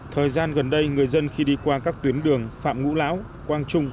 thời gian gần đây người dân khi đi qua các tuyến đường phạm ngũ lão quang trung